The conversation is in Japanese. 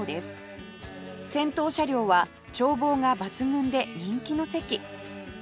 先頭車両は眺望が抜群で人気の席